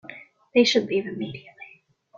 They should leave immediately.